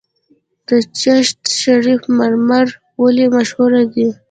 د چشت شریف مرمر ولې مشهور دي؟